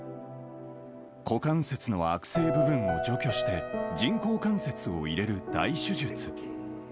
股関節の悪性部分を除去して、人工関節を入れる大手術。